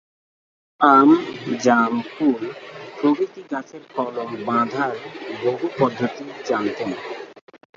আম, জাম, কুল প্রভৃতি গাছের কলম বাঁধার বহু পদ্ধতি জানতেন।